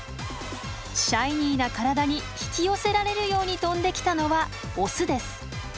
シャイニーな体に引き寄せられるように飛んできたのはオスです。